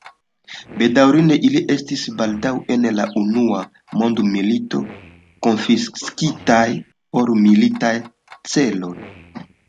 Bedaŭrinde ili estis baldaŭ en la unua mondmilito konfiskitaj por militaj celoj.